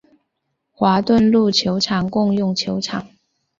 华顿路球场共用球场。